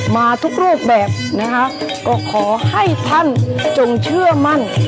มาทุกรูปแบบนะคะก็ขอให้ท่านจงเชื่อมั่น